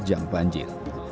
dan juga terjang banjir